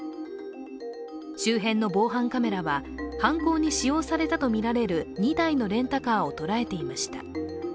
周辺の防犯カメラは犯行に使用されたとみられる２台のレンタカーを捉えていました